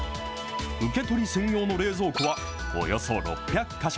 受け取り専用の冷蔵庫は、およそ６００か所。